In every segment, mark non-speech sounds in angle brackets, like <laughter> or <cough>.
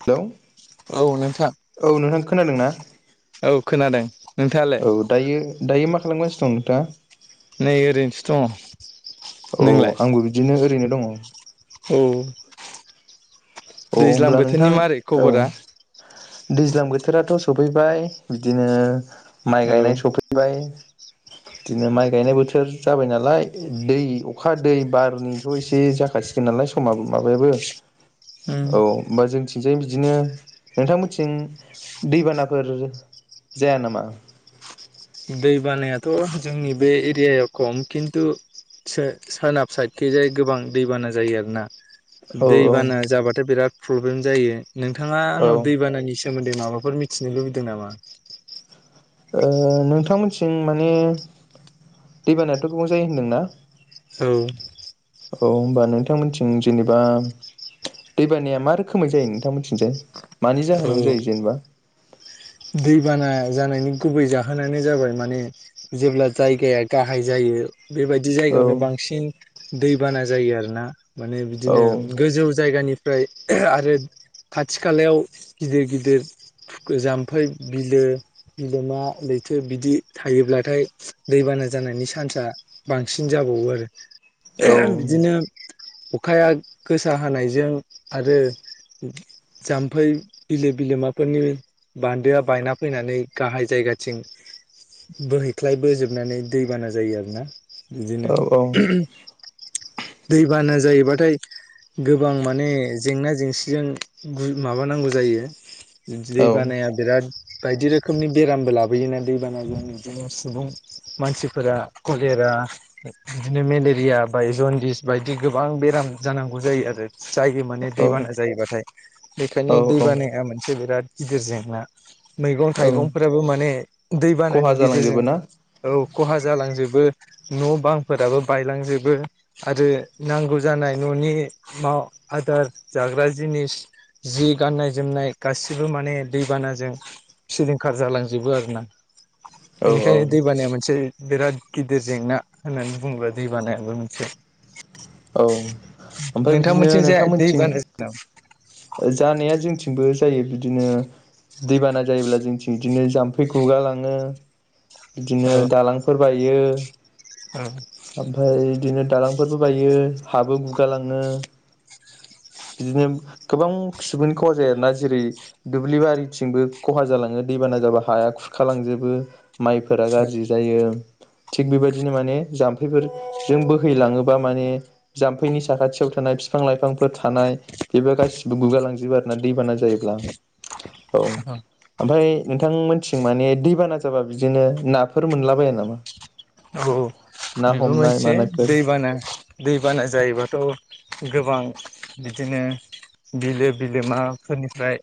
Hello औ नोंथां औ नोंथां खोनादोंना? औ खोनादों। नोंथाङालाय औ दायो दायो मा खालामगासिनो खनटा नै ओरैनोसो दङ औ नोंलाय आंबो बिदिनो ओरैनो दङ। औ दैज्लां होमब्ला नोंथां बोथोरनि मारै औ खबरा? दैज्लां बोथोराथ सफैबाय ओ माइ औ गायनाय सफैबाय। बिदिनो ओ माइ गायनाय बोथोर जाबाय नालाय दै अखा दै बारनिथ एसे जाखासिगोन नालाय समा माबायाबो उम औ होमबा जोंथिंजाय बिदिनो नोंथांमोनथिं दैबानाफोर जाया नामा? दैबानायाथ जोंनि बे एरियायाव खम खिन्थु सो सोनाब साइडखेजाय गोबां दैबाना जायो आरोना। औ औ दैबाना जाब्लाथाय बिराद प्रब्लेम जायो। नोंथाङा औ आंनाव दैबानानि सोमोन्दै माबाफोर मिथिनो लुबैदों नामा? ओ नोंथांमोनसिम माने दैबानायाथ गोबां जायो होनदोंना? औ औ होनोमबा नोंथांमोनथिं जेनेबा दैबानाया मा रोखोमै जायो नोंथांमोनथिंजाय? मानि जाहोनावनो औ जायो जेनेबा। दैबाना जानायनि गुबै जाहोनानो जाबाय माने जेब्ला जायगाया गाहाय जायो। बेबायदि औ जायगायावनो बांसिन दैबाना जायो आरोना। माने औ बिदिनो गोजौ जायगानि ओमफ्राय आरो खाथि खालायाव गिदिर गिदिर जाम्ब ओमफफ्राय बिलो बिलोमा लैथो बिदि थायोब्लाथाय दैबाना जानायनि सान्स बांसिन जाबावो औ आरो बिदिनो अखाया गोसा हानायजों आरो जाम्फै बिलो बिलोमाफोरनि बान्दोआ बायना फैनानै गाहाय जायगाथिं बोहैख्लाय बजोबनानै दैबाना जायो आरोना बिदिनो औ दैबाना जायोबाथाय गोबां माने जेंना जेंसिजों माबानांगौ जायो बानाया बिराद बायदि रोखोमनि बेरामबो लाबोयोना दैबानाजों बिदिनो सुबुं मानसिफोरा कलेरा बिदिनो मेलेरिया बाय जनदिस बायदि गोबां बेराम जानांगौ जायो आरो जायायो माने दैबाना औ जायोबाथाय बेखायनो औ औ दैबानाया मोनसे बिराद गिदिर जेंना मैगं औ थाइगंफोराबो माने खहा दैबानानि जालांजोबो गेजेरजों ना औ खहा जालांजोबो न' बांफोराबो बायलांजोबो आरो नांगौ जानाय न'नि आदार जाग्रा जिनिस जि गाननाय जोमनाय गासिबो गसिबो माने दैबानाजों सिलिंखार जालांजोबो आरोोना औ औ बेनिखायनो दै बानाया मोनसे बिराद गिदिर जेंना होननानै बुङोबा दै बानायाबो मोनसे औ ओमफ्राय बिदिनो नोंथांमोनथिं जाया नोंथांमोनथिं दैबाना जानाया जों जंबो जायो बिदिनो दैबाना जायोब्ला जोंथिं बिदिनो जाम्फै खुगालाङो औ बिदिनो दालांफोर बाय जायो औ ओफ्रायफ्रायदिनो दालांुरबो बाय हाबो गुगालाङो बिदिनो गोबां सुबुंनि खहा जायो आरोना जेरै दुब्लि बारिथिंबो खहा जालाङो दैबाना जाबा हाया खुरखालांजोबो माइफोरा गाज्रि जायो थिग बेबायदिनो माने जाम्फैफोरजों बोहैलाङोबा माने जामफैनि साखाथियाव थानाय बिफां लाइफांफोर थानाय बेबो गासिबो गुगाालांजोबो आरोोना दैबाना ज जायो औ मफ्राय नोंथ थं माने दैबाना जाबा बिदिनो नाफोर मोनलाबायो नामा औ ना बेबो हमनाय मोनसे मानायफोर दैबाना दै बाना जायोबाथ' गोबां बिदिनो बिलो बिलोमाफोरनिफ्राय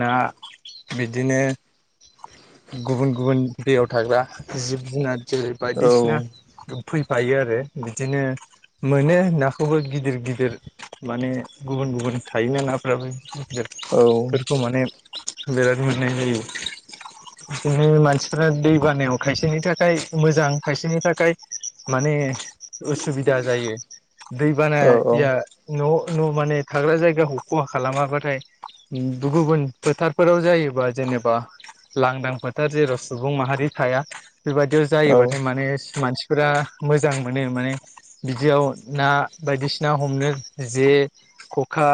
ना बिदिनो गुबुन गुबुन दैयाव थाग्रा जिब जुनार जोलै औ बायदिसिना फैफायो आरो बिदिनो मोनो नाखौबो गिदिर गिदिर माने गुबुन गुबुन थायोना नाफ्राबो औ बेफोरखौ माने बिराद मोननाय जायो बिदिनो मानसिफ्रा दै बानायाव खायसेनि थाखाय मोजां मोजां खायसेनि थाखाय माने। उसुबिदा जायो औ दैबानाया न' न' माने थाग्रा जायगाखौ खहा खालामाबाथाय गुबुन फोथारफोराव जायोबा जेनेबा लांदां फोथार जेराव सुबुं माहारि थाया। बाज जायोबाय। नोस मानसिफोरा मोजां मोनो माने बिदियाव ना बायदिसिना हमनो जे खखा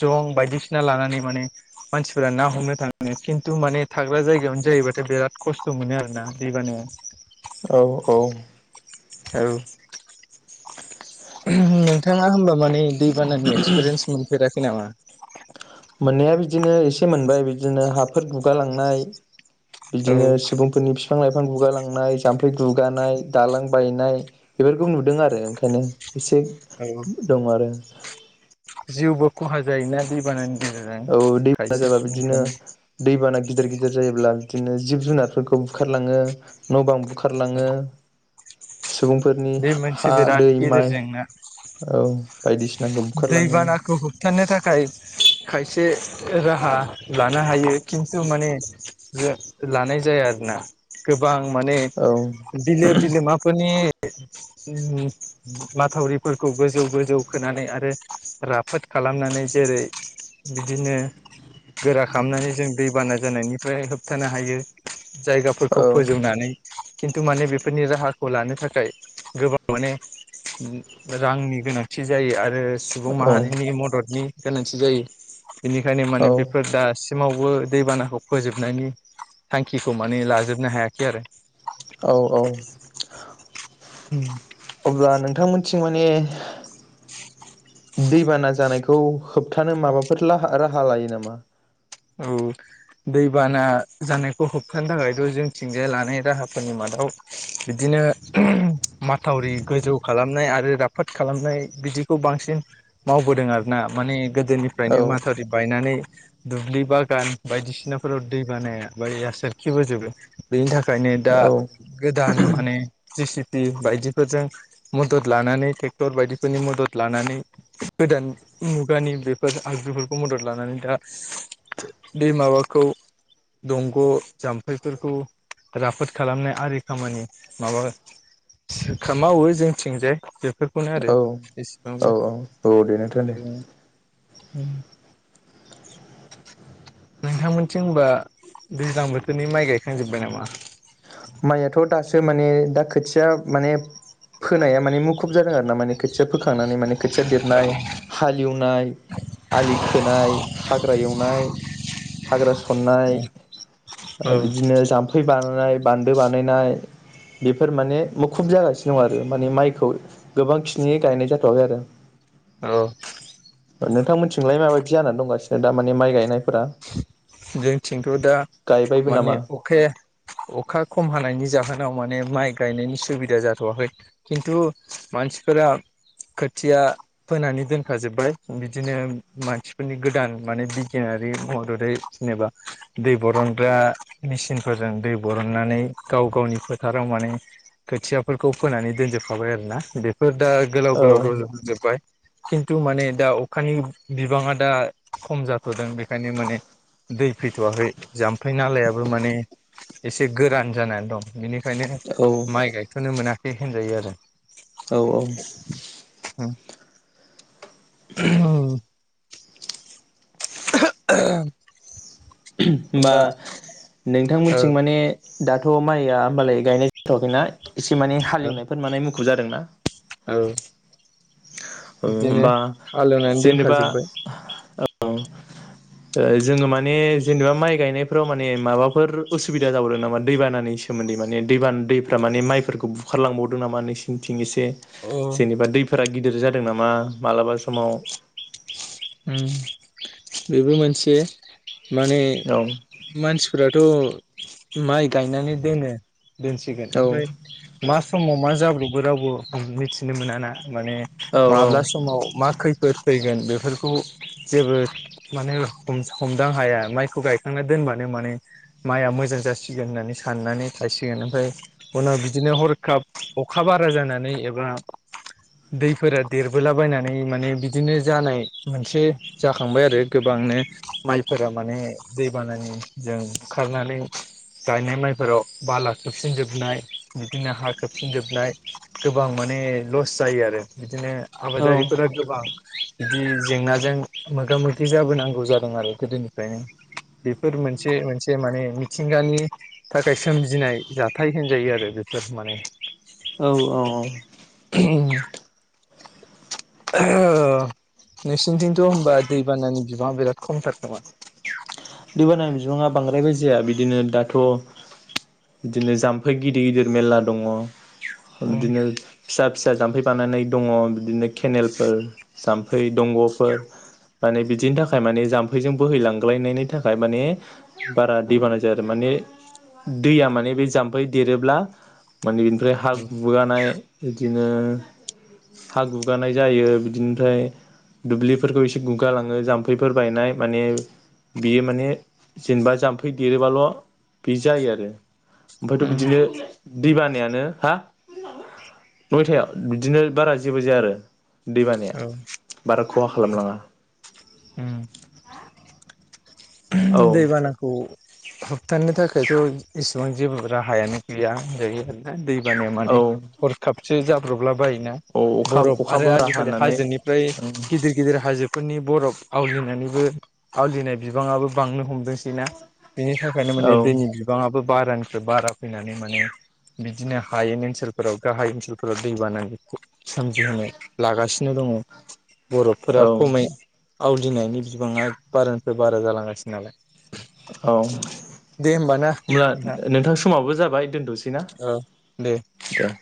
जं बायदिसिना लानानै माने मानसिफोरा ना हमनो थाङो खिन्थु माने थाग्रा जायगायावनो जायोबथाय बिराद खस्थ' मोनो आरोना दै बानायाव। औ औ। औ नोंथाङा होमबा माने दै बानानि एक्सपिरियेन्स मोनफेरा खै नामा मोननाया बिदिनो एसे मोनबाय बिदिनो हाफोर गुगालांनाय। औ बिदिनो सुबुंफोरनि बिफां लाइ बिफां गुगालांनाय जाम्फै गुगानाय दालां बायनाय बेफोरखौ नुदों आरो ओंखायनो। एसे दं आरो जिउबो खहा जायोना दै बानानि औ दैबाना जाबा बिदिनो दैबाना गिदिर गिदिर जायोब्ला बिद बिदिनो जिब जुनारफोरखौ बुखारलाङो न' बां बुखा बुखारलाङो सुबुंफोरनि बे मोनसे हा बेराद दै गेदेर माइ जेंना औ बायदिसिनाखौ बुखारलाङो दैबानाखौ होबथानो थाखाय खायसे एसे राहा लानो हायो खिन्थु माने जो लानाय जाया आरोना गोबां। माने औ बिलो बिलोमाफोरनि ओ माथावरिफोरखौ गोजौ गोजौ खोनानै आरो राफोद खालामनानै जेरै बिदिनो गोरा खालामनानै जों दैबाना जानायनिफ्राय होबथानो हायो। जायगाफोरखौ औ फोजौनानै खिन्थु माने बेफोरनि राहाखौ लानो थाखा फ्राय गोबां माने रांनि गोनांथि जायो आरो। ओ सुबुं औ माहारिनि मददनि गोनांथि जायो। बेनिखायनो औ माने बेफोर दास सिमावबो दैबानाखौ फोजोबनायनि थांखिखौ माने लाजोबनो हायाखै आरो। औ औ। अब्ला नोंथांमोनथिं मान ने दैबाना जानायखौ होबथानो माबाफोर लाहा राहा लायो नामा? औ दैबाना जानाय। खौ होबथानो थाखायथ' जोंथिंजाय लानाय राहाफोरनि मादाव बिदिनो। माथावरि गोजौ खालामनाय आरो। राफोद खालामनाय बिदिखौ बांसिन मावबोदों आरोना माने औ गोदोनिफ्रायनो माथावरि बायनानै दुब्लि बागान बायदिसिनाफोराव दै बानाया बोइया सोरखिबोजोबो बेनि थाखाय ओंखायनो दा औ गोदान माने जे सि बि बायदिफोरजों मदद लानानै टेक्टर बायदिफोरनि मदद लानानै गोदान मुगानि बेफोर आगजुफोरखौ मदद लानानै दा बे माबाखौ दंग' जाम्फैफोरखौ राफोद खालामनाय आरि खामानि माबा मावो जोंथिंजाय। बेफोरखौनो आरो औ बेसेबांबो औ औ दे नोंथां दे उम नोंथांमोनथिं होनबा दैज्लां बोसोरनि माइ गायखांजोब्बाय नामा? माइयाथ' दास सो माने दा खोथिया माने फोनाया माने मुखुब जादों आरो ना माने खोथिया फोखांनानै माने खोथिया देरनाय हाल एवनाय आलि खोनाय हाग्रा एनाय हाग्रा सननाय औ बिदिनो जामफै बा फ्राय बान्दो बानायनाय बेफोर माने मुखुब जागासिनो दं आरो माने माइखौ गोबांखिनि गायनाय जाथ'आखै आरो । औ नोंथांमोनथिंलाय माबायदि जानानै दंगासिनो दा मानानि माइ गायनाय जोंथिंथ' दा गायबायबो माने नामा अखाया अखा खम हानायनि जाहोनाव माने माइ गायनायनि सुबिदा जाथ'वाखै खिन्थु मानसिफोरा खोथिया फोनानै दोनखाजोब्बाय बिदिनो मानसिफोरनि गोदान माने बिगियाना रिनि मददै जेनेबा दै बरनग्रा मेसिनफोरजों दै बरननानै गाव गावनि फोथाराव माने खोथियाफोरखौ फोनानै दोनजोबखाबाय आरोना बेफोर दा गोलाव औ गोलाव रज'जोब्बाय खिन्थु माने दा अखानि बिबाङा दा खम जाथ'दों बे खायनो माने दै फैथ'वाखै जाम्फै नालायाबो माने एसे गोरान जानानै दं बेनि खायनो औ माइ गायथ'नो मोना खै होनजायो आरो। औ औ उम <unintelligible> बा होमबा नों ओ थांमोनथिं माने दाथ' माइया होमबालाय गायनाय जाथ'वाखैना? एसे माने औ हालेवनायफोर माने मु खु जादों ना? औ बिदिनो होमबा हालौवनानै दोनखाजोबबाय। औ जोङो माने जेनेबा माइ गायनायफ्राव माने माबाफोर उसुबिदा जाबावदों नामा दैबानानि सोमोन्दै माने दैबाना दैफ्रा माने माइफोरखौ बुखारलांबावदों नामा नोंसिनिथिं <unintelligible> इसे अ जेनेबा दै फोर गिदिर जादों नामा मालाबा समाव बेबो मोनसे माने औ मानसिफथ' माइ गायनानैनानै दनो दोनसिगोन औ ओमफ्राय मास समाव मा जाब्रबबो रावबो मिथिनो मोन ना माने औ माब्ला समाव मा खैफोद फैगोन बेफोरखौ जेबो माने हमदां हाया माइखौ गायखांना दोनबानो माने माइआ मोजां जासिगोन होननानै साननानै थायसिगोन ओमफ्राय उनाव बिदिनो हरखाब अखा बारा जानानै एबा दैफोरा देरबोलाबायनानै माने बि बिदिनो जानाय मोनसे जाखांबाय आरो गोबांनो माइफोरा माने दैबानानि जों ओखारनानै गायनाय माइफोराव बाला खोबसिनजोबनाय बिदिनो हा खोबसिनजोबनाय गोबां माने लस जायो आरो बिदिनो औ आाबाजारिखौ र बां बिदि जेंनाजों मोगा मोगि जाबोनांगौ जादों आरो गोदोनिफ्रायनो बेफोर मोनसे मोनसे माने मिथिंगानि थाखाय सोमजिनाय जाथाय होनजायो आरो बेफोर माने औ औ अ नोंसिनिथिंथ' हबा दैबानानि बिबाङा बिराद खमथार नामा दैबानानि बिबङा बांद्रायबो जाया बिदिनो दाथ' बिदिनो जाम्फै गिदिर गिदिर मेरला दङ औ बिदिनोसाब फिसा जाम्फै बानानै दङ बिदिनो केनेलफोर जामफै दंग'फोर माने बिदिनि थाखाय माने जामफैजों बोहैलांलायनायनि थाखाय थाखाय माने बारा दैबाना जायो आरो माने दैया माने बे जाम्फै देरोब्ला माने बेनिफ्राय हा गुगानाय बिदिनो हा गुगानाय जायो बिदिनिफ्राय दुब्लिफोरखौ एसे गुगालाङो जाम्फैफोर बायनाय माने बियो माने जेनेबा जाम्फै देरोबाल' बि जायो आरो मब उम ज दै बानायानो हा नयथायाव बिदिनो बारा जेबो जाया आरो दैबानाया औ बारा खहा खालामलाङा उम औ दैबानाखौ हपतनि थाखायथ' इसेबां जेबो राहायानो गैयाजायो आरोोना दै ज औ माने हरखाब एसे जाब्रबलाबाय औ अखा बरफ अखा आरो बोरा आजिखालि हानानै हाजोनिफ्राय औ गिदिर गिदिर हो फोरनि बरफ आवलिनानैबो आवलिनाय बिबाङाबो बांनो हमदों सैना बेनि थाखायनो औ माने दैनि बिबाङाबो बारानिफ्राय बारा फैनानै माने बिदिनो हायेन ओनसोलफोराव गाहाय ओनसोलफोराव दै बाना बेखौ सोमजिहोनो लागासिनो नो दङ। बर'फोरा औ खमै आवलिनायनि बिबाङा बारा बे बारा जालांगासिनो नालाय औ दे होमबा ना ओमब्ला नोंथां समावबो जाबाय दोन्थ'सै ना औ दे। दे।